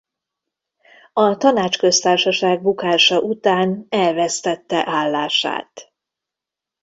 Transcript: A Tanácsköztársaság bukása után elvesztette állását.